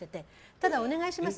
ただお願いします。